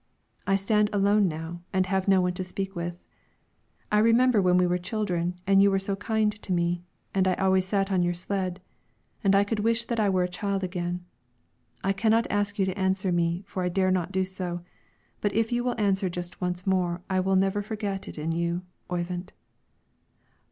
I stand alone now, and have no one to speak with. I remember when we were children, and you were so kind to me; and I always sat on your sled, and I could wish that I were a child again. I cannot ask you to answer me, for I dare not do so. But if you will answer just once more I will never forget it in you, Oyvind.